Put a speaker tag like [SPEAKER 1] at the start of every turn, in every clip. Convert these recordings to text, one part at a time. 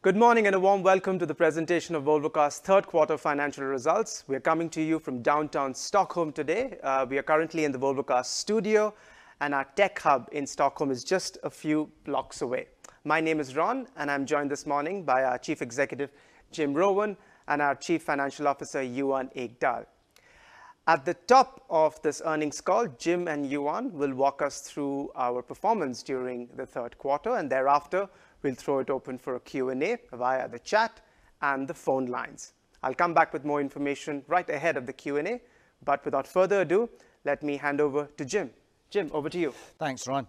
[SPEAKER 1] Good morning, and a warm welcome to the presentation of Volvo Cars' Third Quarter Financial Results. We are coming to you from downtown Stockholm today. We are currently in the Volvo Cars Studio, and our tech hub in Stockholm is just a few blocks away. My name is Ron, and I'm joined this morning by our Chief Executive, Jim Rowan, and our Chief Financial Officer, Johan Ekdahl. At the top of this earnings call, Jim and Johan will walk us through our performance during the third quarter, and thereafter, we'll throw it open for a Q&A via the chat and the phone lines. I'll come back with more information right ahead of the Q&A, but without further ado, let me hand over to Jim. Jim, over to you.
[SPEAKER 2] Thanks, Ron.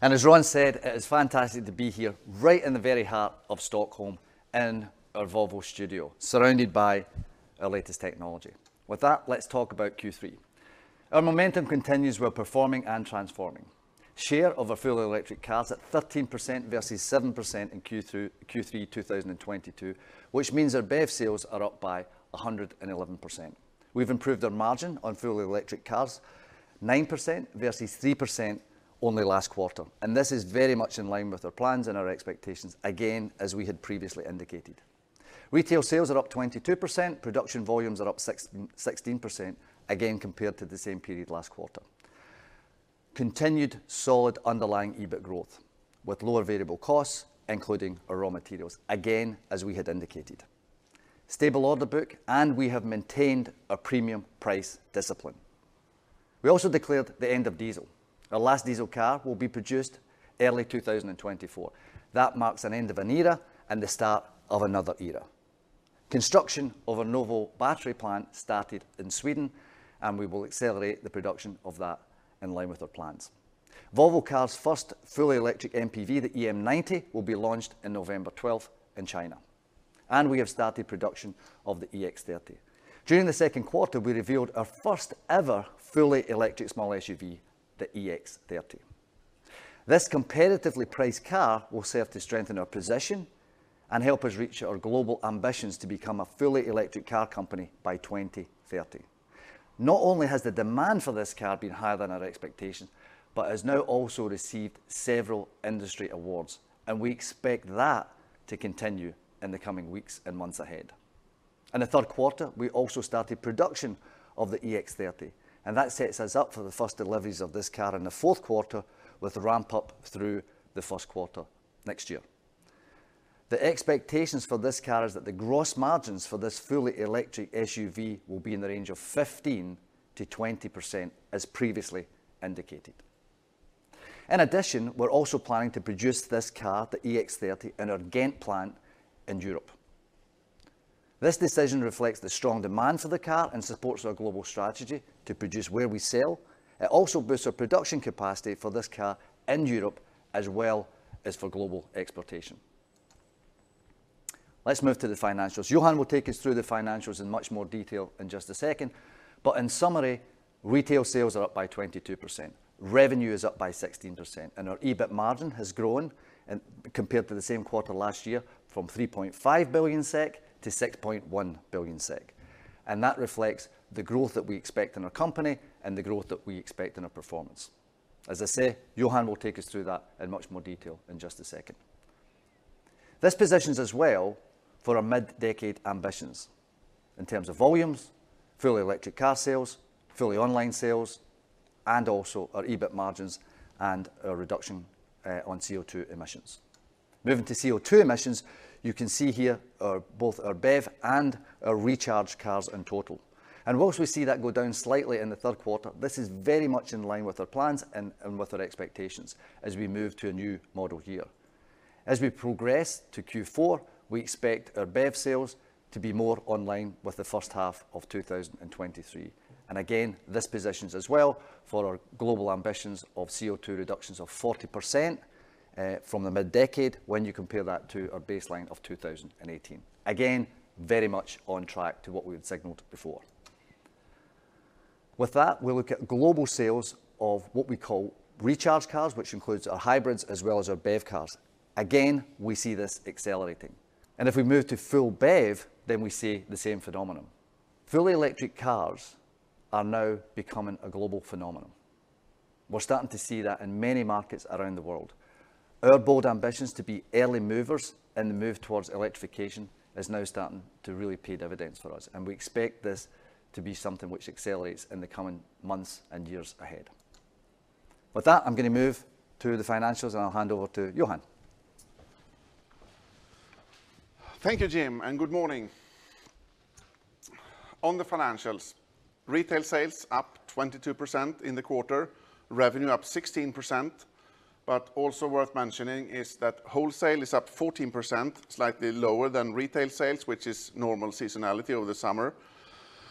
[SPEAKER 2] And as Ron said, it is fantastic to be here, right in the very heart of Stockholm, in our Volvo studio, surrounded by our latest technology. With that, let's talk about Q3. Our momentum continues. We're performing and transforming. Share of our full electric cars at 13% versus 7% in Q3 2022, which means our BEV sales are up by 111%. We've improved our margin on fully electric cars, 9% versus 3% only last quarter, and this is very much in line with our plans and our expectations, again, as we had previously indicated. Retail sales are up 22%. Production volumes are up 16%, again, compared to the same period last quarter. Continued solid underlying EBIT growth, with lower variable costs, including our raw materials, again, as we had indicated. Stable order book, and we have maintained a premium price discipline. We also declared the end of diesel. Our last diesel car will be produced early 2024. That marks an end of an era and the start of another era. Construction of our Novo battery plant started in Sweden, and we will accelerate the production of that in line with our plans. Volvo Cars' first fully electric MPV, the EM90, will be launched in November 12th in China, and we have started production of the EX30. During the second quarter, we revealed our first-ever fully electric small SUV, the EX30. This competitively priced car will serve to strengthen our position and help us reach our global ambitions to become a fully electric car company by 2030. Not only has the demand for this car been higher than our expectations, but has now also received several industry awards, and we expect that to continue in the coming weeks and months ahead. In the third quarter, we also started production of the EX30, and that sets us up for the first deliveries of this car in the fourth quarter, with ramp-up through the first quarter next year. The expectations for this car is that the gross margins for this fully electric SUV will be in the range of 15%-20%, as previously indicated. In addition, we're also planning to produce this car, the EX30, in our Ghent plant in Europe. This decision reflects the strong demand for the car and supports our global strategy to produce where we sell. It also boosts our production capacity for this car in Europe, as well as for global exportation. Let's move to the financials. Johan will take us through the financials in much more detail in just a second, but in summary, retail sales are up by 22%. Revenue is up by 16%, and our EBIT margin has grown, and compared to the same quarter last year, from 3.5 billion SEK to 6.1 billion SEK. And that reflects the growth that we expect in our company and the growth that we expect in our performance. As I say, Johan will take us through that in much more detail in just a second. This positions us well for our mid-decade ambitions in terms of volumes, fully electric car sales, fully online sales, and also our EBIT margins and a reduction on CO2 emissions. Moving to CO2 emissions, you can see here our both our BEV and our Recharge cars cars in total. While we see that go down slightly in the third quarter, this is very much in line with our plans and with our expectations as we move to a new model year. As we progress to Q4, we expect our BEV sales to be more in line with the first half of 2023. And again, this positions us well for our global ambitions of CO2 reductions of 40%, from the mid-decade, when you compare that to our baseline of 2018. Again, very much on track to what we had signaled before. With that, we'll look at global sales of what we call Recharge cars, which includes our hybrids as well as our BEV cars. Again, we see this accelerating, and if we move to full BEV, then we see the same phenomenon. Fully electric cars are now becoming a global phenomenon. We're starting to see that in many markets around the world. Our bold ambitions to be early movers in the move towards electrification is now starting to really pay dividends for us, and we expect this to be something which accelerates in the coming months and years ahead. With that, I'm gonna move to the financials, and I'll hand over to Johan.
[SPEAKER 3] Thank you, Jim, and good morning. On the financials, retail sales up 22% in the quarter, revenue up 16%, but also worth mentioning is that wholesale is up 14%, slightly lower than retail sales, which is normal seasonality over the summer,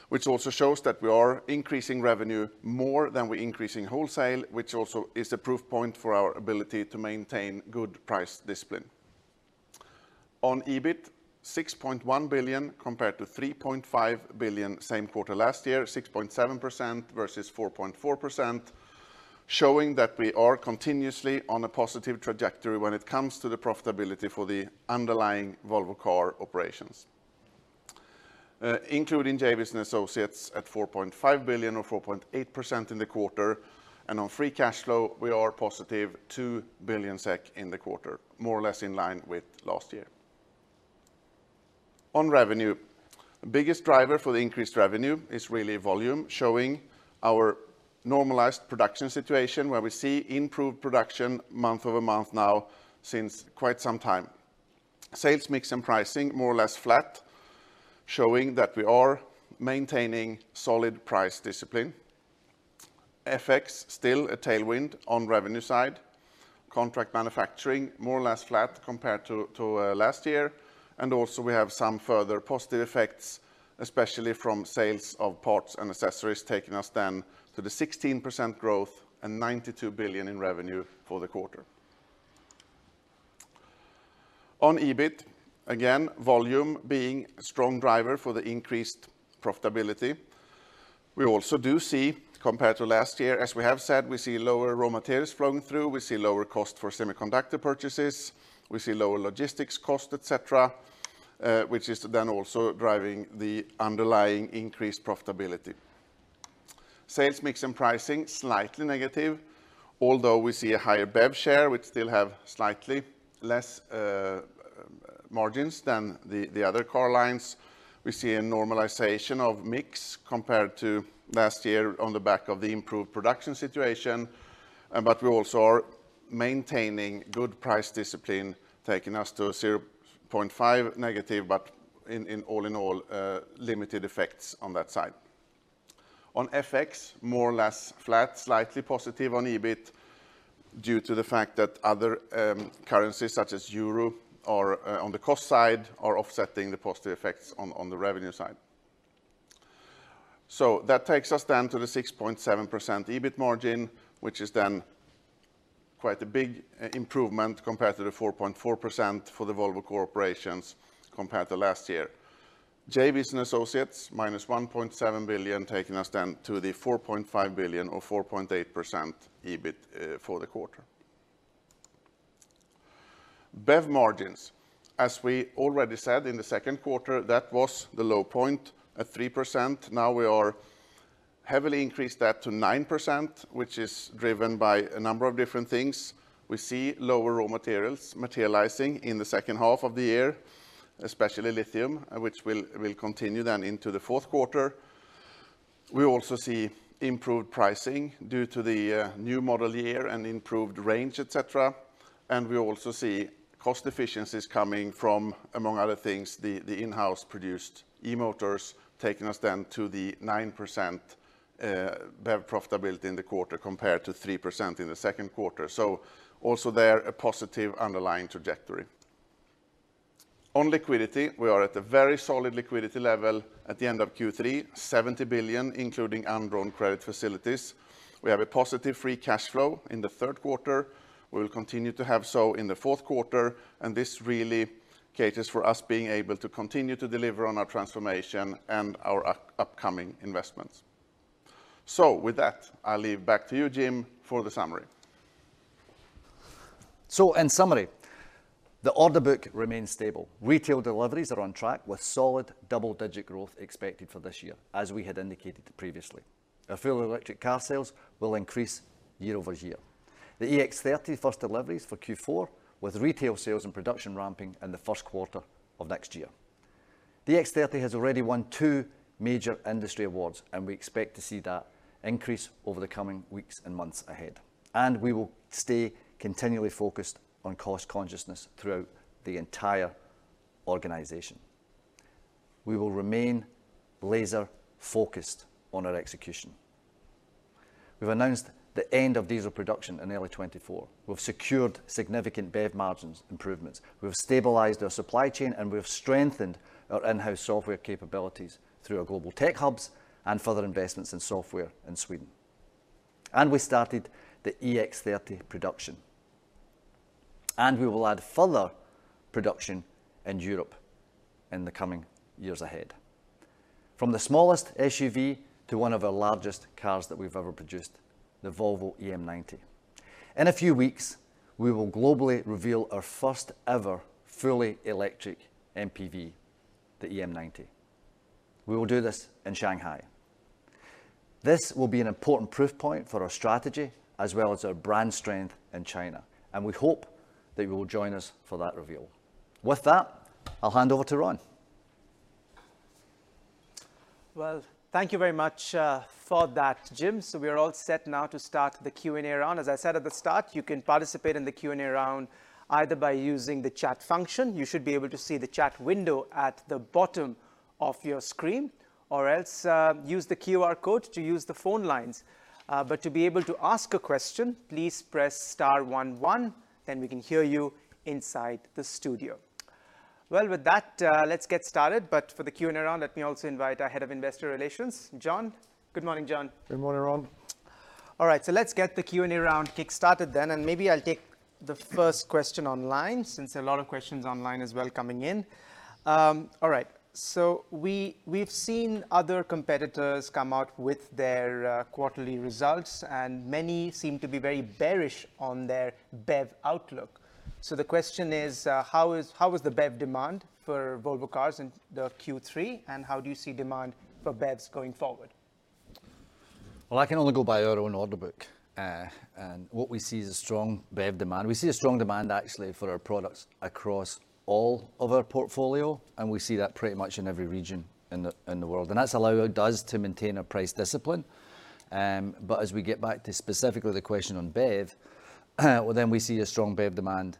[SPEAKER 3] which also shows that we are increasing revenue more than we're increasing wholesale, which also is a proof point for our ability to maintain good price discipline. On EBIT, 6.1 billion, compared to 3.5 billion same quarter last year, 6.7% versus 4.4%, showing that we are continuously on a positive trajectory when it comes to the profitability for the underlying Volvo Car operations.... including JVs and associates at 4.5 billion or 4.8% in the quarter, and on free cash flow, we are positive 2 billion SEK in the quarter, more or less in line with last year. On revenue, the biggest driver for the increased revenue is really volume, showing our normalized production situation, where we see improved production month-over-month now since quite some time. Sales mix and pricing, more or less flat, showing that we are maintaining solid price discipline. FX, still a tailwind on revenue side. Contract manufacturing, more or less flat compared to last year. And also, we have some further positive effects, especially from sales of parts and accessories, taking us then to the 16% growth and 92 billion in revenue for the quarter. On EBIT, again, volume being a strong driver for the increased profitability. We also do see, compared to last year, as we have said, we see lower raw materials flowing through. We see lower cost for semiconductor purchases. We see lower logistics cost, et cetera, which is then also driving the underlying increased profitability. Sales mix and pricing, slightly negative, although we see a higher BEV share, which still have slightly less margins than the other car lines. We see a normalization of mix compared to last year on the back of the improved production situation, but we also are maintaining good price discipline, taking us to 0.5 negative, but in all in all, limited effects on that side. On FX, more or less flat, slightly positive on EBIT, due to the fact that other currencies, such as euro, are on the cost side, are offsetting the positive effects on the revenue side. So that takes us then to the 6.7% EBIT margin, which is then quite a big improvement compared to the 4.4% for the Volvo Cars compared to last year. JVs and associates, minus 1.7 billion, taking us down to the 4.5 billion or 4.8% EBIT for the quarter. BEV margins, as we already said in the second quarter, that was the low point at 3%. Now we are heavily increased that to 9%, which is driven by a number of different things. We see lower raw materials materializing in the second half of the year, especially lithium, which will, will continue then into the fourth quarter. We also see improved pricing due to the new model year and improved range, et cetera, and we also see cost efficiencies coming from, among other things, the, the in-house produced e-motors, taking us then to the 9% BEV profitability in the quarter, compared to 3% in the second quarter. So also there, a positive underlying trajectory. On liquidity, we are at a very solid liquidity level at the end of Q3, SEK 70 billion, including undrawn credit facilities. We have a positive free cash flow in the third quarter. We will continue to have so in the fourth quarter, and this really caters for us being able to continue to deliver on our transformation and our upcoming investments. With that, I'll hand back to you, Jim, for the summary.
[SPEAKER 2] In summary, the order book remains stable. Retail deliveries are on track, with solid double-digit growth expected for this year, as we had indicated previously. Our full electric car sales will increase year over year. The EX30 first deliveries for Q4, with retail sales and production ramping in the first quarter of next year. The EX30 has already won two major industry awards, and we expect to see that increase over the coming weeks and months ahead. We will stay continually focused on cost consciousness throughout the entire organization. We will remain laser-focused on our execution. We've announced the end of diesel production in early 2024. We've secured significant BEV margins improvements. We've stabilized our supply chain, and we've strengthened our in-house software capabilities through our global tech hubs and further investments in software in Sweden. We started the EX30 production, and we will add further production in Europe in the coming years ahead. From the smallest SUV to one of our largest cars that we've ever produced, the Volvo EM90. In a few weeks, we will globally reveal our first ever fully electric MPV, the EM90. We will do this in Shanghai. This will be an important proof point for our strategy, as well as our brand strength in China, and we hope that you will join us for that reveal. With that, I'll hand over to Ron.
[SPEAKER 1] Well, thank you very much, for that, Jim. So we are all set now to start the Q&A round. As I said at the start, you can participate in the Q&A round either by using the chat function, you should be able to see the chat window at the bottom of your screen, or else, use the QR code to use the phone lines. But to be able to ask a question, please press star one one, and we can hear you inside the studio. Well, with that, let's get started, but for the Q&A round, let me also invite our Head of Investor Relations, John. Good morning, John.
[SPEAKER 3] Good morning, Ron.
[SPEAKER 1] All right, so let's get the Q&A round kick-started then, and maybe I'll take the first question online, since there are a lot of questions online as well coming in. All right, so we've seen other competitors come out with their quarterly results, and many seem to be very bearish on their BEV outlook. So the question is, how is the BEV demand for Volvo Cars in the Q3, and how do you see demand for BEVs going forward?
[SPEAKER 2] Well, I can only go by our own order book. And what we see is a strong BEV demand. We see a strong demand, actually, for our products across all of our portfolio, and we see that pretty much in every region in the world. And that's allowed us to maintain a price discipline. But as we get back to specifically the question on BEV, well, then we see a strong BEV demand,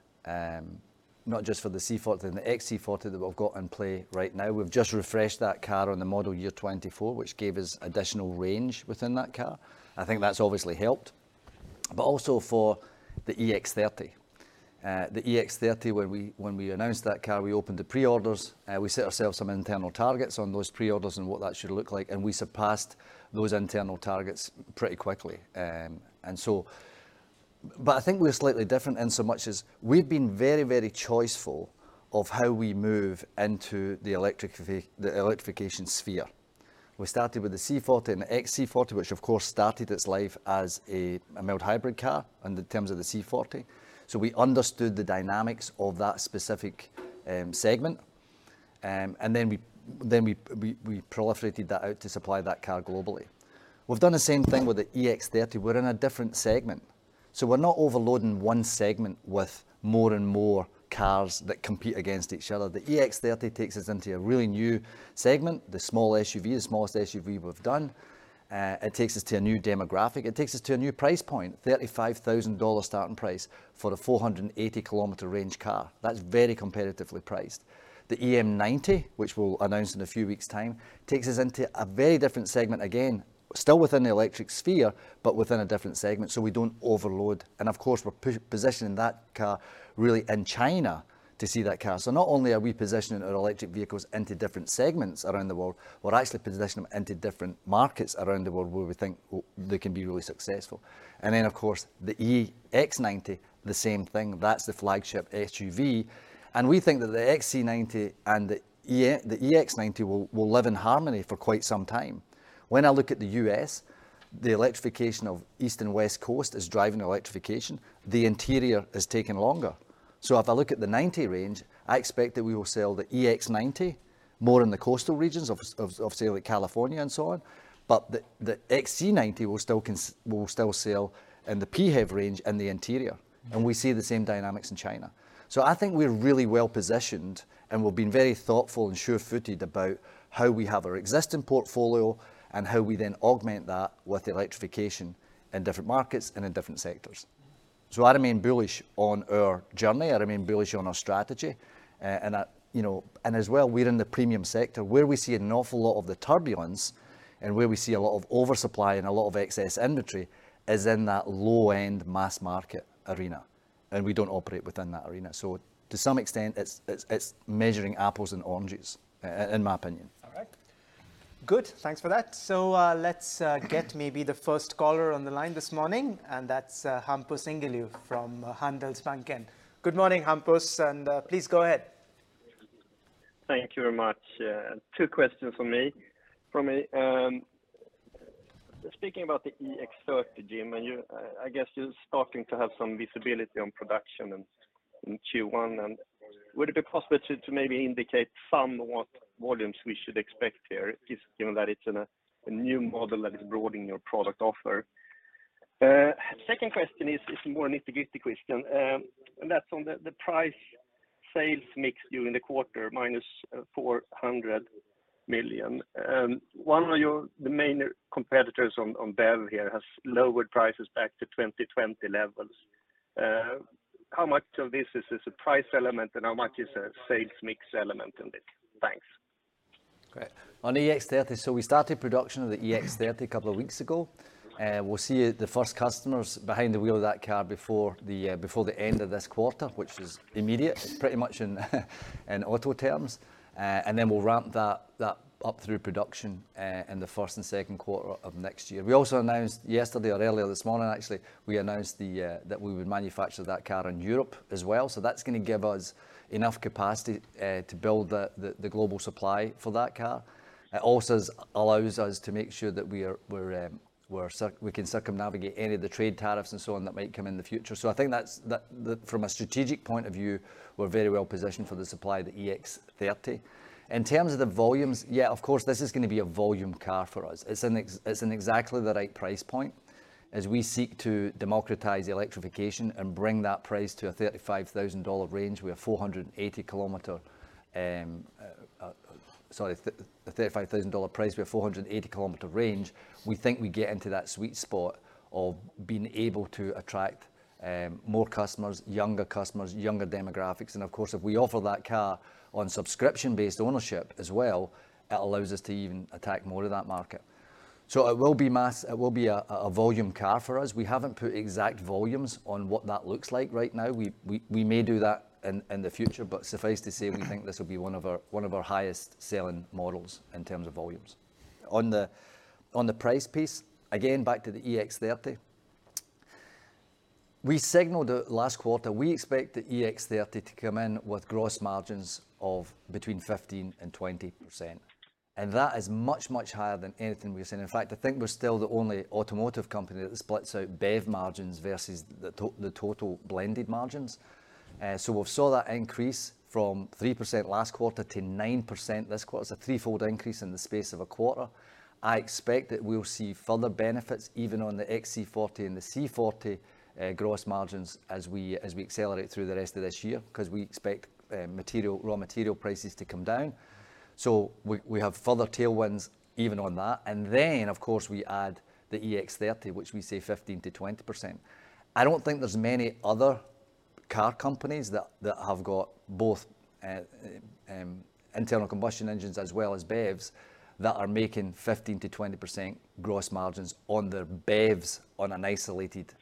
[SPEAKER 2] not just for the C40 and the XC40 that we've got in play right now. We've just refreshed that car on the model year 2024, which gave us additional range within that car. I think that's obviously helped. But also for the EX30. The EX30, when we announced that car, we opened the pre-orders, we set ourselves some internal targets on those pre-orders and what that should look like, and we surpassed those internal targets pretty quickly. But I think we're slightly different in so much as we've been very, very choiceful of how we move into the electrification sphere. We started with the C40 and the XC40, which of course started its life as a mild hybrid car in terms of the C40. So we understood the dynamics of that specific segment. And then we proliferated that out to supply that car globally. We've done the same thing with the EX30. We're in a different segment, so we're not overloading one segment with more and more cars that compete against each other. The EX30 takes us into a really new segment, the small SUV, the smallest SUV we've done. It takes us to a new demographic. It takes us to a new price point, $35,000 starting price for a 480 km range car. That's very competitively priced. The EM90, which we'll announce in a few weeks' time, takes us into a very different segment, again, still within the electric sphere, but within a different segment, so we don't overload. And of course, we're positioning that car really in China to see that car. So not only are we positioning our electric vehicles into different segments around the world, we're actually positioning them into different markets around the world where we think they can be really successful. And then, of course, the EX90, the same thing. That's the flagship SUV, and we think that the XC90 and the EX90 will live in harmony for quite some time. When I look at the U.S., the electrification of East and West Coast is driving electrification. The interior is taking longer. So if I look at the 90 range, I expect that we will sell the EX90 more in the coastal regions of, of say, like California and so on, but the XC90 will still sell in the PHEV range and the interior, and we see the same dynamics in China. So I think we're really well positioned, and we've been very thoughtful and sure-footed about how we have our existing portfolio and how we then augment that with electrification in different markets and in different sectors. So I remain bullish on our journey. I remain bullish on our strategy. And I, you know... And as well, we're in the premium sector. Where we see an awful lot of the turbulence and where we see a lot of oversupply and a lot of excess inventory is in that low-end mass market arena, and we don't operate within that arena. So to some extent, it's measuring apples and oranges, in my opinion.
[SPEAKER 1] All right. Good, thanks for that. So, let's get maybe the first caller on the line this morning, and that's Hampus Engellau from Handelsbanken. Good morning, Hampus, and please go ahead.
[SPEAKER 4] Thank you very much, two questions from me. Speaking about the EX30, Jim, and you, I guess you're starting to have some visibility on production in Q1. Would it be possible to maybe indicate somewhat what volumes we should expect here, just given that it's a new model that is broadening your product offer? Second question is more nitty-gritty question, and that's on the price sales mix during the quarter, -400 million. One of the main competitors on BEV here has lowered prices back to 2020 levels. How much of this is a price element, and how much is a sales mix element in this? Thanks.
[SPEAKER 2] Great. On EX30, so we started production of the EX30 a couple of weeks ago. We'll see the first customers behind the wheel of that car before the end of this quarter, which is immediate, pretty much in auto terms. And then we'll ramp that up through production in the first and second quarter of next year. We also announced yesterday or earlier this morning, actually, we announced that we would manufacture that car in Europe as well. So that's gonna give us enough capacity to build the global supply for that car. It also allows us to make sure that we can circumnavigate any of the trade tariffs and so on that might come in the future. So I think that from a strategic point of view, we're very well positioned for the supply of the EX30. In terms of the volumes, yeah, of course, this is gonna be a volume car for us. It's in exactly the right price point. As we seek to democratize electrification and bring that price to a $35,000 range, we have 480 km a $35,000 price, we have 480 km range. We think we get into that sweet spot of being able to attract more customers, younger customers, younger demographics. And of course, if we offer that car on subscription-based ownership as well, it allows us to even attack more of that market. So it will be a volume car for us. We haven't put exact volumes on what that looks like right now. We may do that in the future, but suffice to say, we think this will be one of our, one of our highest-selling models in terms of volumes. On the price piece, again, back to the EX30, we signaled it last quarter, we expect the EX30 to come in with gross margins of between 15%-20%... and that is much, much higher than anything we've seen. In fact, I think we're still the only automotive company that splits out BEV margins versus the total blended margins. So we've saw that increase from 3% last quarter to 9% this quarter. It's a threefold increase in the space of a quarter. I expect that we'll see further benefits, even on the XC40 and the C40, gross margins as we accelerate through the rest of this year, 'cause we expect material, raw material prices to come down. So we have further tailwinds even on that. And then, of course, we add the EX30, which we say 15%-20%. I don't think there's many other car companies that have got both internal combustion engines as well as BEVs, that are making 15%-20% gross margins on their BEVs on an isolated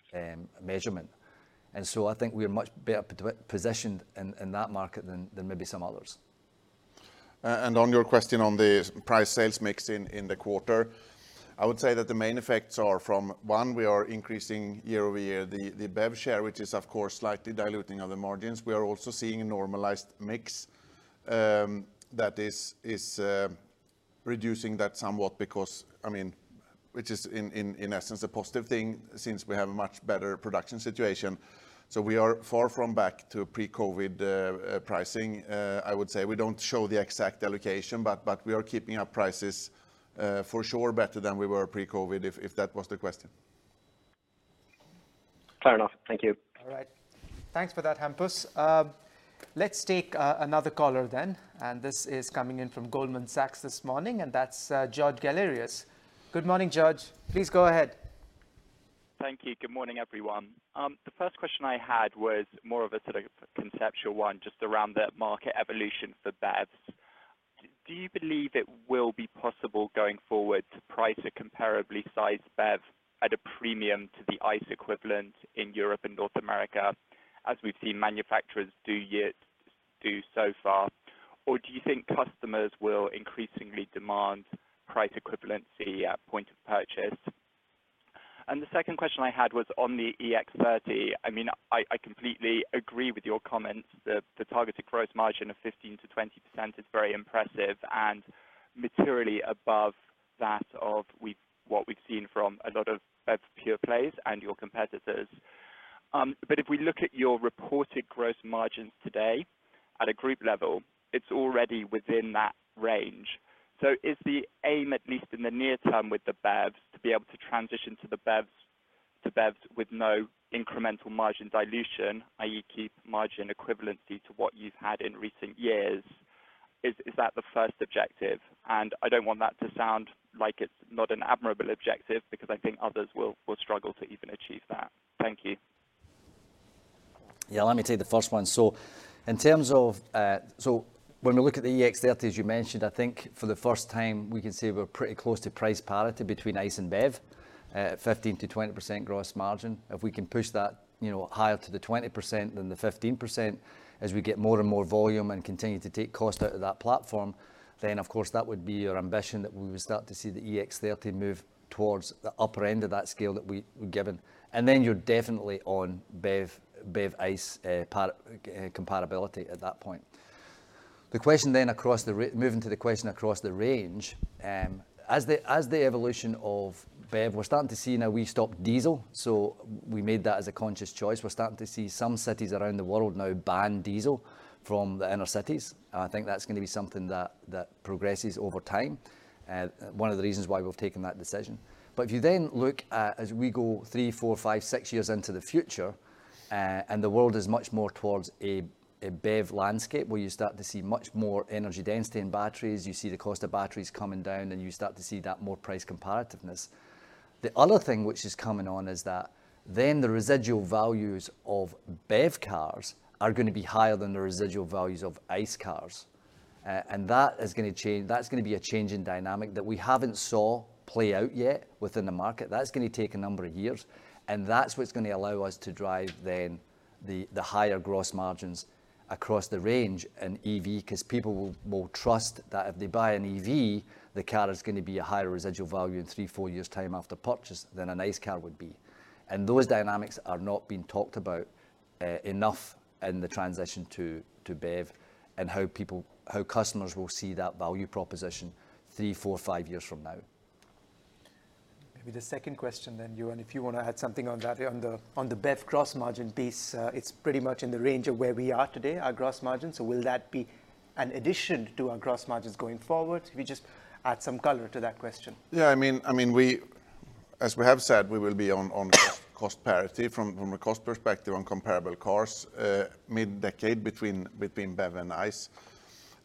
[SPEAKER 2] measurement. And so I think we are much better positioned in that market than maybe some others.
[SPEAKER 3] And on your question on the price sales mix in the quarter, I would say that the main effects are from, one, we are increasing year-over-year the BEV share, which is, of course, slightly diluting other margins. We are also seeing a normalized mix that is reducing that somewhat because I mean, which is, in essence, a positive thing, since we have a much better production situation. So we are far from back to pre-COVID pricing. I would say we don't show the exact allocation, but we are keeping our prices, for sure, better than we were pre-COVID, if that was the question.
[SPEAKER 4] Fair enough. Thank you.
[SPEAKER 1] All right. Thanks for that, Hampus. Let's take another caller then, and this is coming in from Goldman Sachs this morning, and that's George Galliers. Good morning, George. Please go ahead.
[SPEAKER 5] Thank you. Good morning, everyone. The first question I had was more of a sort of conceptual one, just around the market evolution for BEVs. Do you believe it will be possible going forward to price a comparably sized BEV at a premium to the ICE equivalent in Europe and North America, as we've seen manufacturers do so far? Or do you think customers will increasingly demand price equivalency at point of purchase? And the second question I had was on the EX30. I mean, I completely agree with your comments. The targeted gross margin of 15%-20% is very impressive and materially above that of what we've seen from a lot of BEV pure plays and your competitors. But if we look at your reported gross margins today at a group level, it's already within that range. So is the aim, at least in the near term, with the BEVs, to be able to transition to BEVs with no incremental margin dilution, i.e., keep margin equivalency to what you've had in recent years? Is, is that the first objective? And I don't want that to sound like it's not an admirable objective, because I think others will, will struggle to even achieve that. Thank you.
[SPEAKER 2] Yeah, let me take the first one. So in terms of, so when we look at the EX30, as you mentioned, I think for the first time, we can say we're pretty close to price parity between ICE and BEV, 15%-20% gross margin. If we can push that, you know, higher to the 20% than the 15% as we get more and more volume and continue to take cost out of that platform, then, of course, that would be our ambition, that we would start to see the EX30 move towards the upper end of that scale that we, we've given. And then you're definitely on BEV, BEV/ICE, par, compatibility at that point. The question then across the range, moving to the question across the range, as the evolution of BEV, we're starting to see now, we stopped diesel, so we made that as a conscious choice. We're starting to see some cities around the world now ban diesel from the inner cities, and I think that's going to be something that progresses over time, one of the reasons why we've taken that decision. But if you then look at, as we go three, four, five, six years into the future, and the world is much more towards a BEV landscape, where you start to see much more energy density in batteries, you see the cost of batteries coming down, and you start to see that more price competitiveness. The other thing which is coming on is that then the residual values of BEV cars are going to be higher than the residual values of ICE cars. And that is gonna change- that's gonna be a changing dynamic that we haven't saw play out yet within the market. That's gonna take a number of years, and that's what's gonna allow us to drive then the, the higher gross margins across the range in EV, 'cause people will, will trust that if they buy an EV, the car is gonna be a higher residual value in three, four years' time after purchase than an ICE car would be. And those dynamics are not being talked about enough in the transition to, to BEV, and how people- how customers will see that value proposition three, four, five years from now.
[SPEAKER 1] Maybe the second question then, Johan, if you want to add something on that. On the BEV gross margin piece, it's pretty much in the range of where we are today, our gross margin. So will that be an addition to our gross margins going forward? If you just add some color to that question.
[SPEAKER 3] Yeah, I mean, we, as we have said, we will be on cost parity from a cost perspective on comparable cars, mid-decade between BEV and ICE.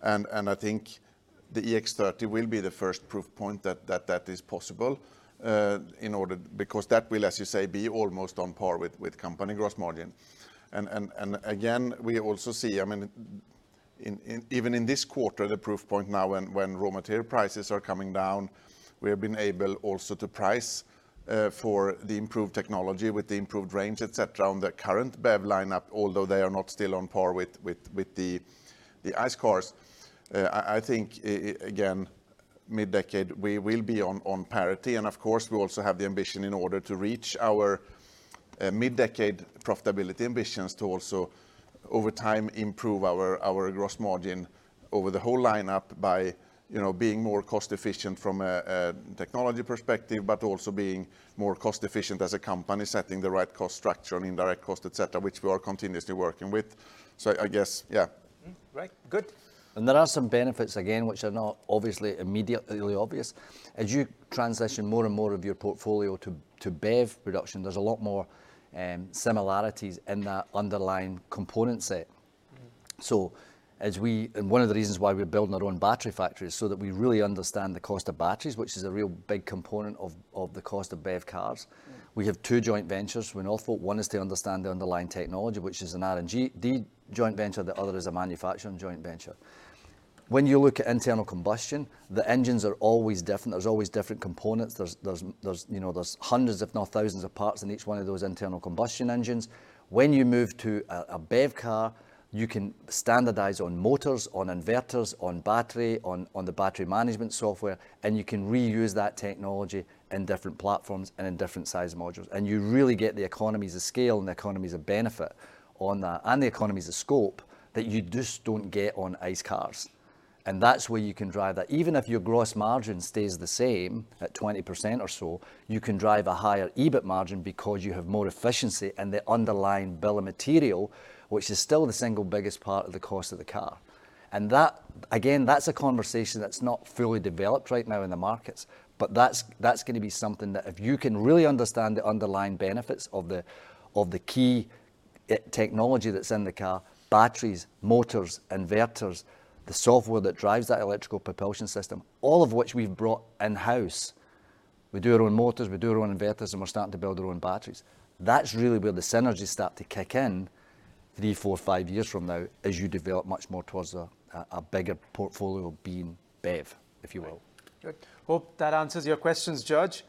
[SPEAKER 3] And I think the EX30 will be the first proof point that that is possible, in order... Because that will, as you say, be almost on par with company gross margin. And again, we also see, I mean, in even in this quarter, the proof point now, when raw material prices are coming down, we have been able also to price for the improved technology with the improved range, et cetera, on the current BEV lineup, although they are not still on par with the ICE cars. I think, again, mid-decade, we will be on parity, and of course, we also have the ambition in order to reach a mid-decade profitability ambitions to also, over time, improve our gross margin over the whole lineup by, you know, being more cost efficient from a technology perspective, but also being more cost efficient as a company, setting the right cost structure and indirect cost, et cetera, which we are continuously working with. So I guess, yeah.
[SPEAKER 1] Right. Good.
[SPEAKER 2] There are some benefits, again, which are not obviously immediately obvious. As you transition more and more of your portfolio to, to BEV production, there's a lot more similarities in that underlying component set. One of the reasons why we're building our own battery factory is so that we really understand the cost of batteries, which is a real big component of the cost of BEV cars. We have two joint ventures. One is to understand the underlying technology, which is an R&D joint venture, the other is a manufacturing joint venture. When you look at internal combustion, the engines are always different. There's always different components. You know, there's hundreds, if not thousands, of parts in each one of those internal combustion engines. When you move to a BEV car, you can standardize on motors, on inverters, on battery, on the battery management software, and you can reuse that technology in different platforms and in different size modules. You really get the economies of scale and the economies of benefit on that, and the economies of scope, that you just don't get on ICE cars. That's where you can drive that. Even if your gross margin stays the same, at 20% or so, you can drive a higher EBIT margin because you have more efficiency and the underlying bill of material, which is still the single biggest part of the cost of the car. And that, again, that's a conversation that's not fully developed right now in the markets, but that's, that's gonna be something that if you can really understand the underlying benefits of the, of the key e- technology that's in the car: batteries, motors, inverters, the software that drives that electrical propulsion system, all of which we've brought in-house. We do our own motors, we do our own inverters, and we're starting to build our own batteries. That's really where the synergies start to kick in three, four, five years from now, as you develop much more towards a bigger portfolio being BEV, if you will.
[SPEAKER 1] Good. Hope that answers your questions, George.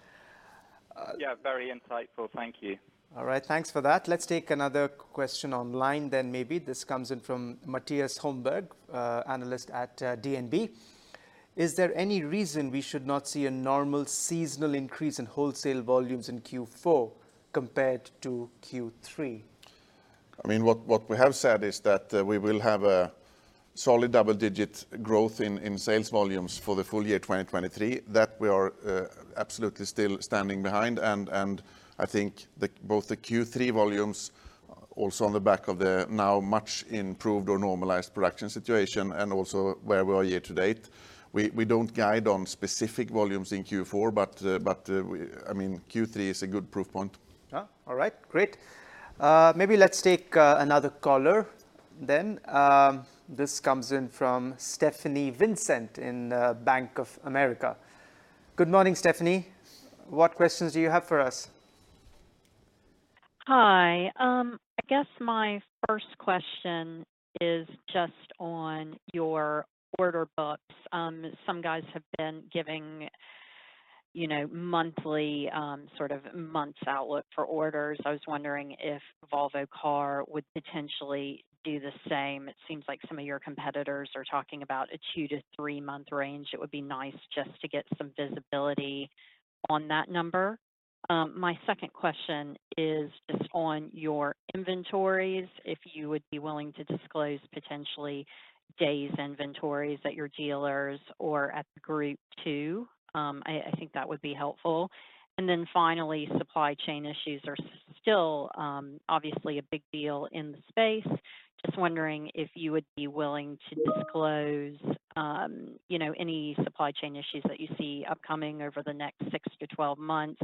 [SPEAKER 5] Yeah, very insightful. Thank you.
[SPEAKER 1] All right, thanks for that. Let's take another question online then, maybe. This comes in from Mattias Holmberg, analyst at, DNB: "Is there any reason we should not see a normal seasonal increase in wholesale volumes in Q4 compared to Q3?
[SPEAKER 3] I mean, what we have said is that we will have a solid double-digit growth in sales volumes for the full year 2023. That we are absolutely still standing behind. I think both the Q3 volumes, also on the back of the now much improved or normalized production situation, and also where we are year to date. We don't guide on specific volumes in Q4, but we... I mean, Q3 is a good proof point.
[SPEAKER 1] Ah, all right. Great. Maybe let's take another caller then. This comes in from Stephanie Vincent, in Bank of America. Good morning, Stephanie. What questions do you have for us?
[SPEAKER 6] Hi, I guess my first question is just on your order books. Some guys have been giving, you know, monthly, sort of months outlook for orders. I was wondering if Volvo Car would potentially do the same. It seems like some of your competitors are talking about a two to three-month range. It would be nice just to get some visibility on that number. My second question is just on your inventories, if you would be willing to disclose potentially days inventories at your dealers or at the group too? I think that would be helpful. And then finally, supply chain issues are still, obviously a big deal in the space. Just wondering if you would be willing to disclose, you know, any supply chain issues that you see upcoming over the next 6-12 months.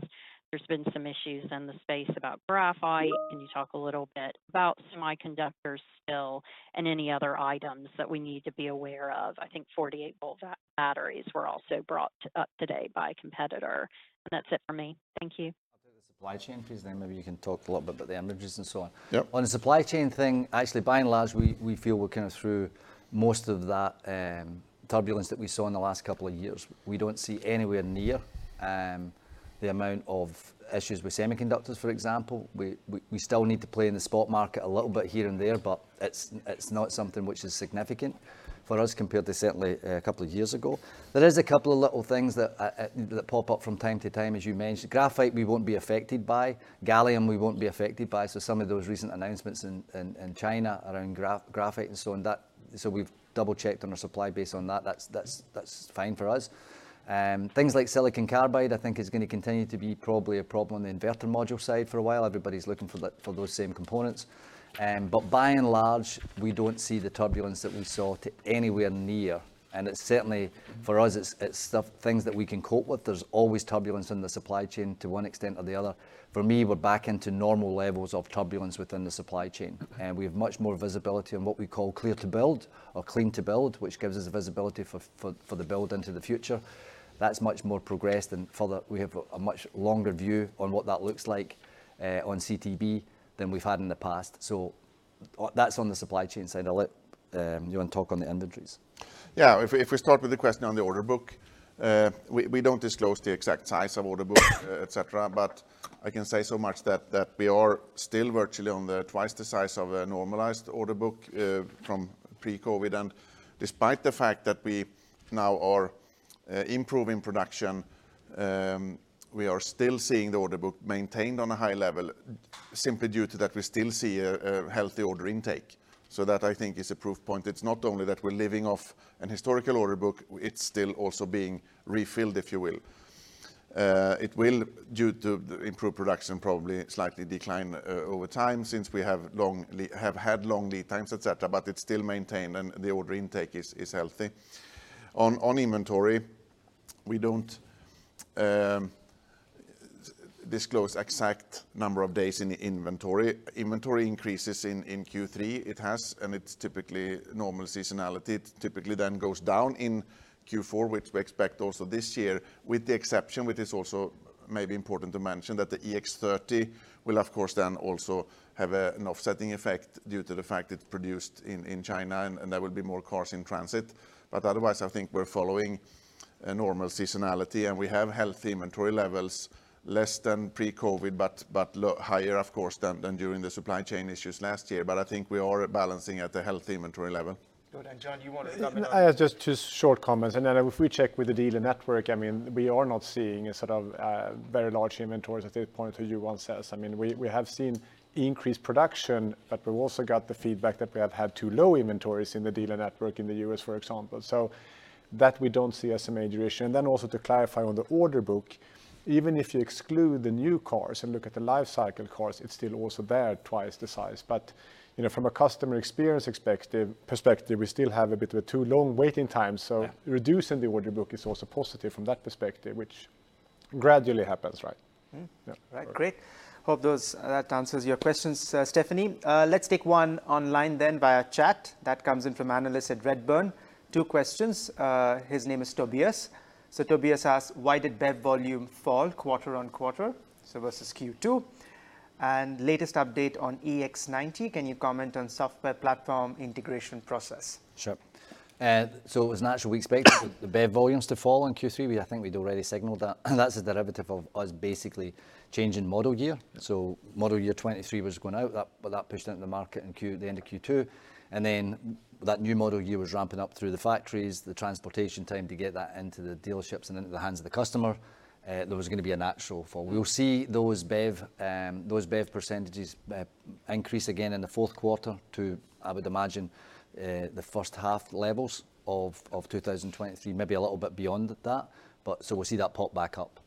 [SPEAKER 6] There's been some issues in the space about graphite. Can you talk a little bit about semiconductors still, and any other items that we need to be aware of? I think 48-volt batteries were also brought up today by a competitor. That's it for me. Thank you.
[SPEAKER 2] I'll take the supply chain please, then maybe you can talk a little bit about the inventories and so on.
[SPEAKER 3] Yep.
[SPEAKER 2] On the supply chain thing, actually, by and large, we feel we're kind of through most of that turbulence that we saw in the last couple of years. We don't see anywhere near the amount of issues with semiconductors, for example. We still need to play in the spot market a little bit here and there, but it's not something which is significant for us, compared to certainly a couple of years ago. There is a couple of little things that pop up from time to time, as you mentioned. Graphite, we won't be affected by. Gallium, we won't be affected by. So some of those recent announcements in China around graphite and so on, so we've double-checked on our supply base on that. That's fine for us. Things like silicon carbide, I think is gonna continue to be probably a problem on the inverter module side for a while. Everybody's looking for those same components. But by and large, we don't see the turbulence that we saw to anywhere near, and it's certainly, for us, things that we can cope with. There's always turbulence in the supply chain to one extent or the other. For me, we're back into normal levels of turbulence within the supply chain, and we have much more visibility on what we call clear to build or clean to build, which gives us visibility for the build into the future. That's much more progressed, and further, we have a much longer view on what that looks like on CTB than we've had in the past. So that's on the supply chain side. I'll let... You want to talk on the inventories?
[SPEAKER 3] Yeah. If we start with the question on the order book, we don't disclose the exact size of order book, et cetera, but I can say so much that we are still virtually on twice the size of a normalized order book from pre-COVID. And despite the fact that we now are improving production, we are still seeing the order book maintained on a high level, simply due to that, we still see a healthy order intake. So that, I think, is a proof point. It's not only that we're living off an historical order book, it's still also being refilled, if you will. It will, due to the improved production, probably slightly decline over time, since we have had long lead times, et cetera, but it's still maintained, and the order intake is healthy. On inventory, we don't disclose exact number of days in the inventory. Inventory increases in Q3. It has, and it's typically normal seasonality. It typically then goes down in Q4, which we expect also this year, with the exception, which is also maybe important to mention, that the EX30 will, of course, then also have an offsetting effect due to the fact it's produced in China, and there will be more cars in transit. But otherwise, I think we're following a normal seasonality, and we have healthy inventory levels. Less than pre-COVID, but lower, higher, of course, than during the supply chain issues last year. But I think we are balancing at a healthy inventory level.
[SPEAKER 1] Good. John, do you want to comment on-
[SPEAKER 7] I have just short comments, and then if we check with the dealer network, I mean, we are not seeing a sort of very large inventories at this point, as Johan says. I mean, we have seen increased production, but we've also got the feedback that we have had too low inventories in the dealer network in the US, for example. So that we don't see as a major issue. And then also to clarify on the order book, even if you exclude the new cars and look at the life cycle cars, it's still also there twice the size. But, you know, from a customer experience perspective, we still have a bit of a too long waiting time.
[SPEAKER 1] Yeah.
[SPEAKER 7] Reducing the order book is also positive from that perspective, which gradually happens, right?
[SPEAKER 1] Mm-hmm.
[SPEAKER 7] Yeah.
[SPEAKER 1] Right. Great. Hope that answers your questions, Stephanie. Let's take one online then via chat. That comes in from analyst at Redburn. Two questions. His name is Tobias. So Tobias asks, "Why did BEV volume fall quarter on quarter, so versus Q2? And latest update on EX90, can you comment on software platform integration process?
[SPEAKER 2] Sure. So it was naturally we expected the BEV volumes to fall in Q3. I think we'd already signaled that. That's a derivative of us basically changing model year. So model year 2023 was going out, but that pushed into the market in the end of Q2, and then that new model year was ramping up through the factories, the transportation time to get that into the dealerships and into the hands of the customer. There was gonna be a natural fall. We'll see those BEV, those BEV percentages increase again in the fourth quarter to, I would imagine, the first half levels of 2023, maybe a little bit beyond that. But so we'll see that pop back up.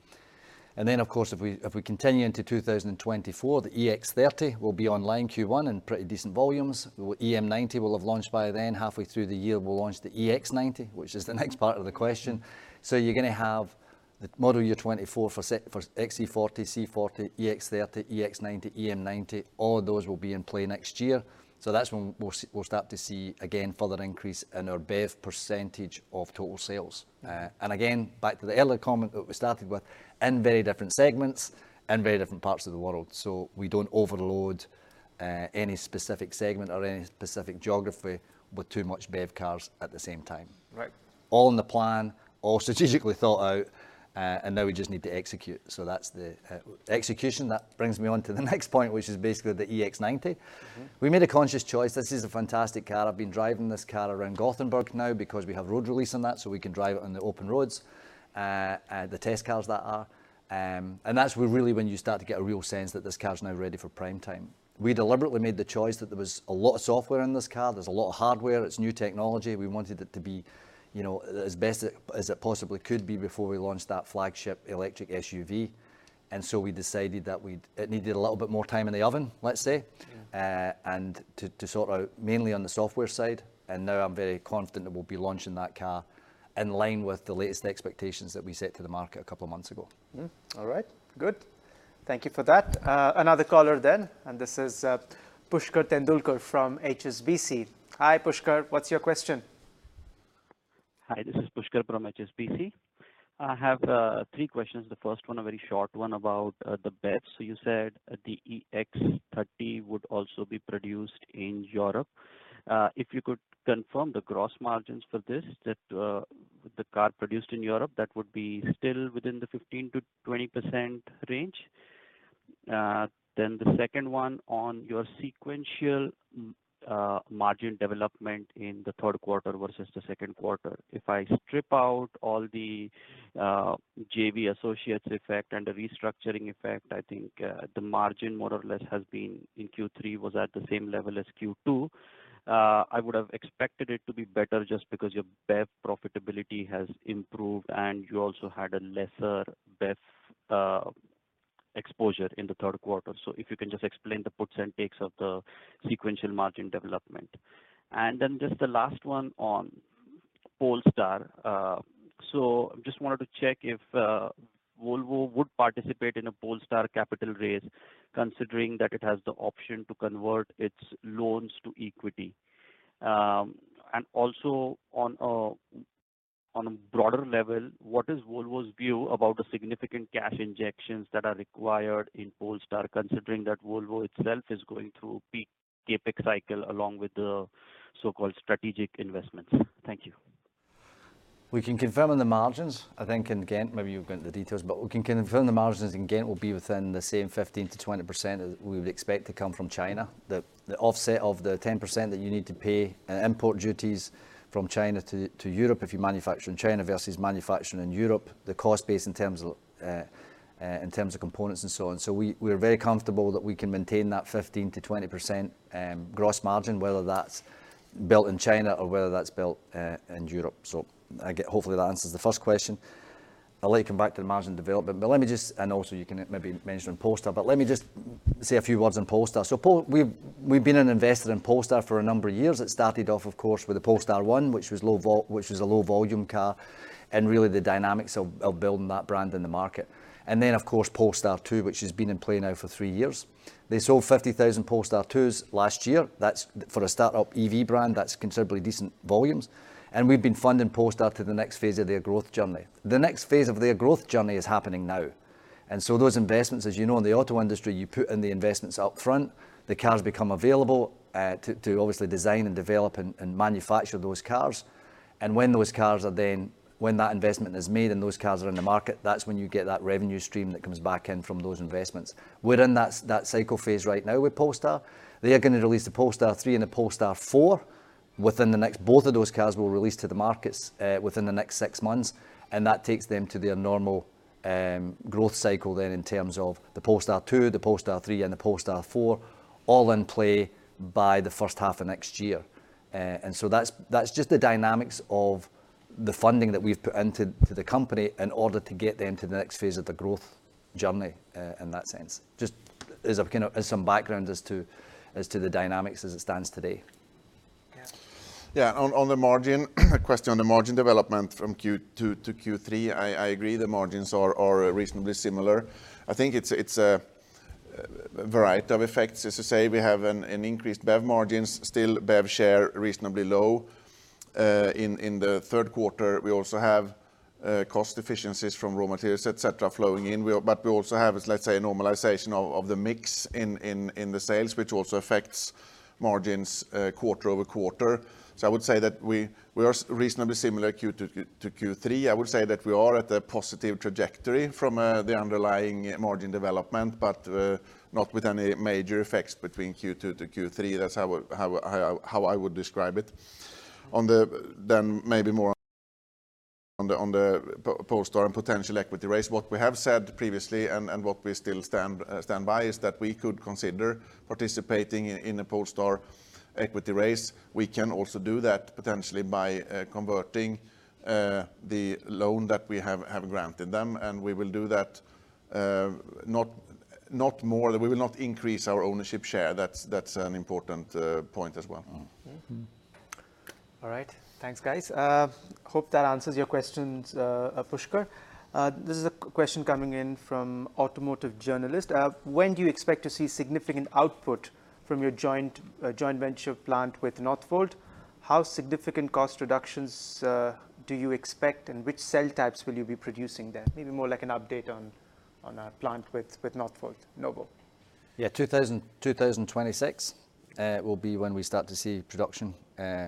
[SPEAKER 2] And then, of course, if we, if we continue into 2024, the EX30 will be online Q1 in pretty decent volumes. The EM90 will have launched by then. Halfway through the year, we'll launch the EX90, which is the next part of the question. So you're gonna have the model year 2024 for XC40, C40, EX30, EX90, EM90. All of those will be in play next year. So that's when we'll start to see, again, further increase in our BEV percentage of total sales. And again, back to the earlier comment that we started with, in very different segments and very different parts of the world. So we don't overload any specific segment or any specific geography with too much BEV cars at the same time.
[SPEAKER 1] Right.
[SPEAKER 2] All in the plan, all strategically thought out, and now we just need to execute. So that's the execution. That brings me on to the next point, which is basically the EX90.
[SPEAKER 1] Mm-hmm.
[SPEAKER 2] We made a conscious choice. This is a fantastic car. I've been driving this car around Gothenburg now because we have road release on that, so we can drive it on the open roads, the test cars that are. And that's where really, when you start to get a real sense that this car is now ready for prime time. We deliberately made the choice that there was a lot of software in this car, there's a lot of hardware, it's new technology. We wanted it to be, you know, as best as it possibly could be before we launched that flagship electric SUV. And so we decided that we'd it needed a little bit more time in the oven, let's say-
[SPEAKER 1] Yeah...
[SPEAKER 2] and to, to sort out, mainly on the software side. Now I'm very confident that we'll be launching that car in line with the latest expectations that we set to the market a couple of months ago.
[SPEAKER 1] Mm-hmm. All right, good. Thank you for that. Another caller, and this is Pushkar Tendulkar from HSBC. Hi, Pushkar. What's your question?
[SPEAKER 8] Hi, this is Pushkar from HSBC. I have three questions. The first one, a very short one about the BEV. So you said the EX30 would also be produced in Europe. If you could confirm the gross margins for this, that the car produced in Europe, that would be still within the 15%-20% range? Then the second one, on your sequential margin development in the third quarter versus the second quarter. If I strip out all the JV associates effect and the restructuring effect, I think the margin, more or less, has been in Q3, was at the same level as Q2. I would have expected it to be better, just because your BEV profitability has improved, and you also had a lesser BEV exposure in the third quarter. So if you can just explain the puts and takes of the sequential margin development. And then just the last one on Polestar. So just wanted to check if Volvo would participate in a Polestar capital raise, considering that it has the option to convert its loans to equity. And also on a, on a broader level, what is Volvo's view about the significant cash injections that are required in Polestar, considering that Volvo itself is going through peak CapEx cycle, along with the so-called strategic investments? Thank you. ...
[SPEAKER 2] We can confirm on the margins, I think in Ghent, maybe you'll go into the details, but we can confirm the margins in Ghent will be within the same 15%-20% as we would expect to come from China. The offset of the 10% that you need to pay in import duties from China to Europe if you manufacture in China versus manufacturing in Europe, the cost base in terms of, in terms of components and so on. So we, we're very comfortable that we can maintain that 15%-20%, gross margin, whether that's built in China or whether that's built in Europe. So I get- hopefully that answers the first question. I'll let you come back to the margin development. But let me just... And also you can maybe mention Polestar, but let me just say a few words on Polestar. So we've, we've been an investor in Polestar for a number of years. It started off, of course, with the Polestar 1, which was a low-volume car, and really the dynamics of building that brand in the market. And then, of course, Polestar 2, which has been in play now for three years. They sold 50,000 Polestar 2s last year. That's, for a start-up EV brand, that's considerably decent volumes. And we've been funding Polestar to the next phase of their growth journey. The next phase of their growth journey is happening now. And so those investments, as you know, in the auto industry, you put in the investments up front, the cars become available to obviously design and develop and manufacture those cars. And when those cars are, when that investment is made and those cars are in the market, that's when you get that revenue stream that comes back in from those investments. We're in that cycle phase right now with Polestar. They are gonna release the Polestar 3 and the Polestar 4. Both of those cars will release to the markets within the next six months, and that takes them to their normal growth cycle then in terms of the Polestar 2, the Polestar 3, and the Polestar 4, all in play by the first half of next year. And so that's, that's just the dynamics of the funding that we've put into the company in order to get them to the next phase of the growth journey, in that sense. Just as a kind of, as some background as to, as to the dynamics as it stands today.
[SPEAKER 3] Yeah. Yeah, on the margin, a question on the margin development from Q2 to Q3, I agree, the margins are reasonably similar. I think it's a variety of effects. As I say, we have an increased BEV margins, still BEV share reasonably low. In the third quarter, we also have cost efficiencies from raw materials, et cetera, flowing in. We are- but we also have, let's say, a normalization of the mix in the sales, which also affects margins, quarter-over-quarter. So I would say that we are reasonably similar Q2 to Q3. I would say that we are at a positive trajectory from the underlying margin development, but not with any major effects between Q2 to Q3. That's how I would describe it. Then maybe more on the Polestar and potential equity raise. What we have said previously and what we still stand by is that we could consider participating in a Polestar equity raise. We can also do that potentially by converting the loan that we have granted them, and we will do that not more, we will not increase our ownership share. That's an important point as well.
[SPEAKER 2] Mm-hmm.
[SPEAKER 1] Mm-hmm. All right. Thanks, guys. Hope that answers your questions, Pushkar. This is a question coming in from automotive journalist: "When do you expect to see significant output from your joint venture plant with Northvolt? How significant cost reductions do you expect, and which cell types will you be producing there?" Maybe more like an update on our plant with Northvolt. Noble?
[SPEAKER 2] Yeah, 2026 will be when we start to see production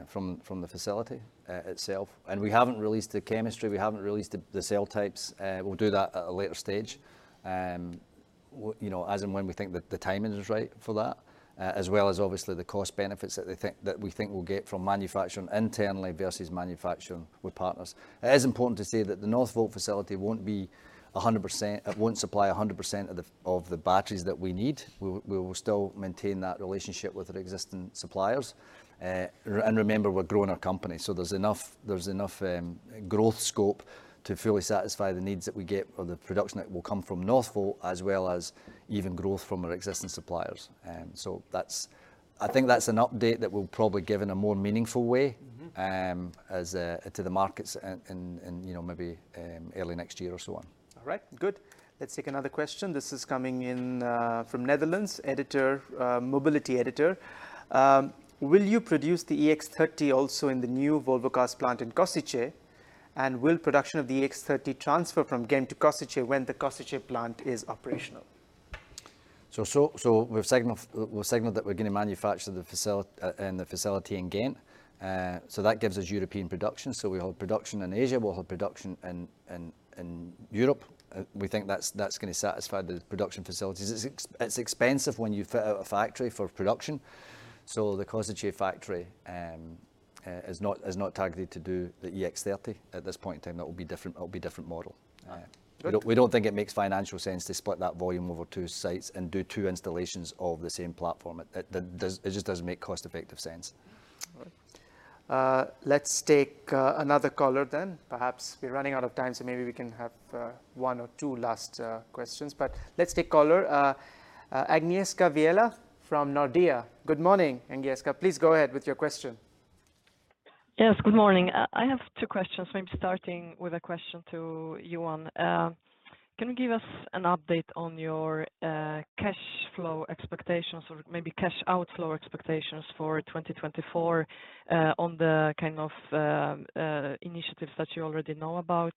[SPEAKER 2] from the facility itself. And we haven't released the chemistry, we haven't released the cell types. We'll do that at a later stage, you know, as and when we think that the timing is right for that, as well as obviously the cost benefits that we think we'll get from manufacturing internally versus manufacturing with partners. It is important to say that the Northvolt facility won't be 100%... it won't supply 100% of the batteries that we need. We will still maintain that relationship with our existing suppliers. And remember, we're growing our company, so there's enough, there's enough, growth scope to fully satisfy the needs that we get or the production that will come from Northvolt, as well as even growth from our existing suppliers. So that's—I think that's an update that we'll probably give in a more meaningful way-
[SPEAKER 1] Mm-hmm...
[SPEAKER 2] as to the markets in, you know, maybe early next year or so on.
[SPEAKER 1] All right. Good. Let's take another question. This is coming in from Netherlands, editor, mobility editor: "Will you produce the EX30 also in the new Volvo Cars plant in Košice? And will production of the EX30 transfer from Ghent to Košice when the Košice plant is operational?
[SPEAKER 2] So we've signaled that we're going to manufacture the facility in Ghent. So that gives us European production. So we'll hold production in Asia, we'll hold production in Europe. We think that's going to satisfy the production facilities. It's expensive when you fit out a factory for production, so the Košice factory is not targeted to do the EX30 at this point in time. That will be different, it'll be a different model.
[SPEAKER 1] All right.
[SPEAKER 2] We don't think it makes financial sense to split that volume over two sites and do two installations of the same platform. It just doesn't make cost-effective sense.
[SPEAKER 1] All right. Let's take another caller then. Perhaps we're running out of time, so maybe we can have one or two last questions. But let's take caller. Agnieszka Vilela from Nordea. Good morning, Agnieszka. Please go ahead with your question.
[SPEAKER 9] Yes, good morning. I have two questions. Maybe starting with a question to Johan. Can you give us an update on your cash flow expectations or maybe cash outflow expectations for 2024, on the kind of initiatives that you already know about?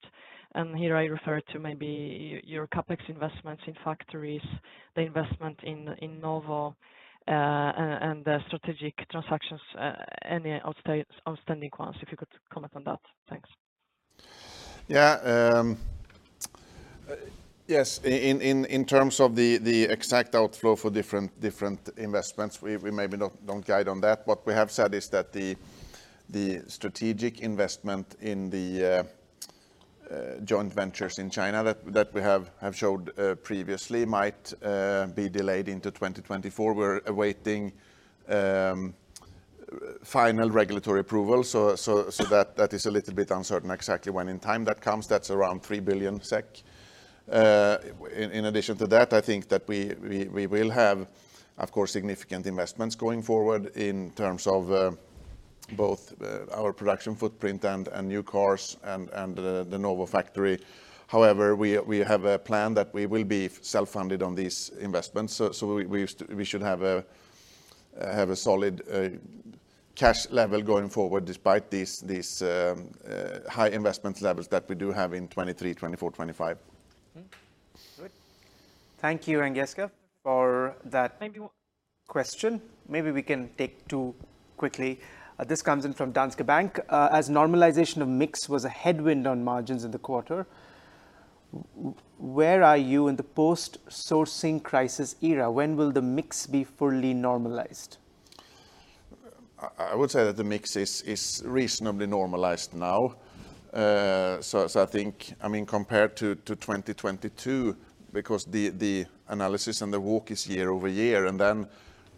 [SPEAKER 9] And here I refer to maybe your CapEx investments in factories, the investment in Novo, and the strategic transactions, any outstanding ones, if you could comment on that. Thanks....
[SPEAKER 3] Yeah, yes, in terms of the exact outflow for different investments, we maybe not don't guide on that. What we have said is that the strategic investment in the joint ventures in China that we have showed previously might be delayed into 2024. We're awaiting final regulatory approval, so that is a little bit uncertain exactly when in time that comes. That's around 3 billion SEK. In addition to that, I think that we will have, of course, significant investments going forward in terms of both our production footprint and new cars, and the Novo factory. However, we have a plan that we will be self-funded on these investments. We should have a solid cash level going forward despite these high investment levels that we do have in 2023, 2024, 2025.
[SPEAKER 1] Mm-hmm. Good. Thank you, Agnieszka, for that-
[SPEAKER 9] Maybe one-
[SPEAKER 1] question. Maybe we can take two quickly. This comes in from Danske Bank. As normalization of mix was a headwind on margins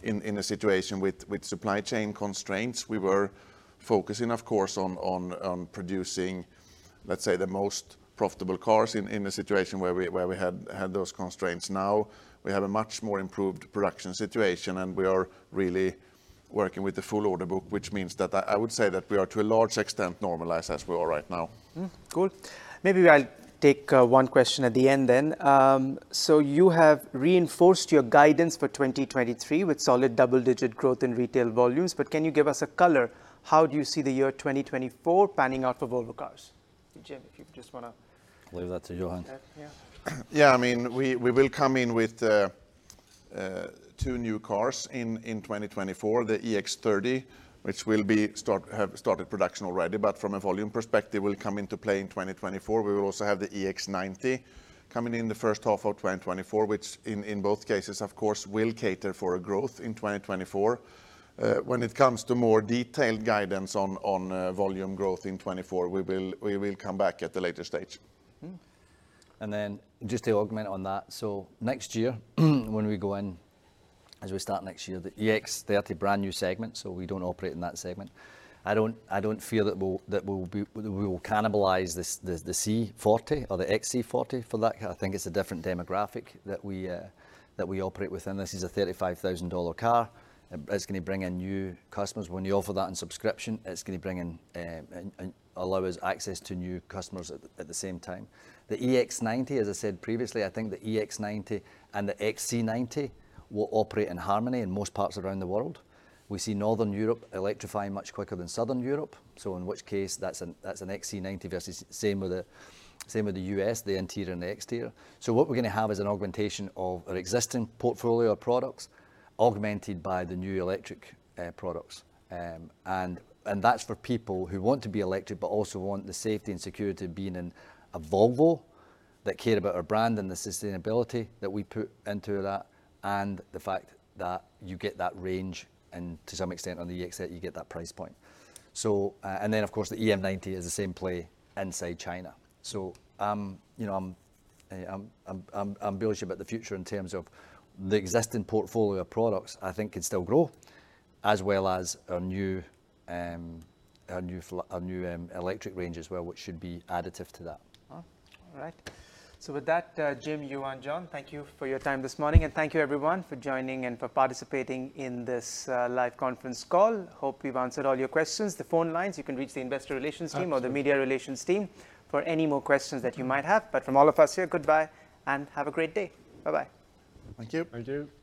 [SPEAKER 1] in the quarter, where are you in the post-sourcing crisis era? When will the mix be fully normalized?
[SPEAKER 3] I would say that the mix is reasonably normalized now. So I think, I mean, compared to 2022, because the analysis and the walk is year over year, and then in a situation with supply chain constraints, we were focusing, of course, on producing, let's say, the most profitable cars in a situation where we had those constraints. Now, we have a much more improved production situation, and we are really working with the full order book, which means that I would say that we are, to a large extent, normalized as we are right now.
[SPEAKER 1] Mm-hmm. Cool. Maybe I'll take one question at the end then. So you have reinforced your guidance for 2023 with solid double-digit growth in retail volumes, but can you give us a color? How do you see the year 2024 panning out for Volvo Cars? Jim, if you just wanna-
[SPEAKER 2] Leave that to Johan.
[SPEAKER 1] Yeah.
[SPEAKER 3] Yeah, I mean, we, we will come in with two new cars in 2024, the EX30, which will have started production already, but from a volume perspective, will come into play in 2024. We will also have the EX90 coming in the first half of 2024, which in both cases, of course, will cater for a growth in 2024. When it comes to more detailed guidance on volume growth in 2024, we will come back at a later stage.
[SPEAKER 1] Mm-hmm.
[SPEAKER 2] And then just to augment on that, so next year, when we go in, as we start next year, the EX30, brand-new segment, so we don't operate in that segment. I don't feel that we'll cannibalize the C40 or the XC40 for that. I think it's a different demographic that we operate within. This is a $35,000 car. It, it's gonna bring in new customers. When you offer that in subscription, it's gonna bring in, and allow us access to new customers at the same time. The EX90, as I said previously, I think the EX90 and the XC90 will operate in harmony in most parts around the world. We see Northern Europe electrifying much quicker than Southern Europe, so in which case, that's an XC90 versus same with the U.S., the interior and the exterior. So what we're gonna have is an augmentation of our existing portfolio of products, augmented by the new electric products. And that's for people who want to be electric, but also want the safety and security of being in a Volvo, that care about our brand and the sustainability that we put into that, and the fact that you get that range, and to some extent, on the EX30, you get that price point. So, and then, of course, the EM90 is the same play inside China. So, you know, I'm bullish about the future in terms of the existing portfolio of products I think can still grow, as well as our new electric range as well, which should be additive to that.
[SPEAKER 1] All right. So with that, Jim, Johan, John, thank you for your time this morning, and thank you everyone for joining and for participating in this, live conference call. Hope we've answered all your questions. The phone lines, you can reach the Investor Relations team or the media relations team for any more questions that you might have. But from all of us here, goodbye, and have a great day. Bye-bye
[SPEAKER 3] Absolutely. Thank you
[SPEAKER 2] Thank you.